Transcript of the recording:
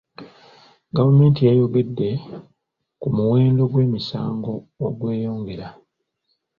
Gavumenti yayogedde ku muwendo gw'emisango ogweyongera